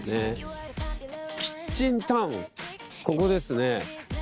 ここですね。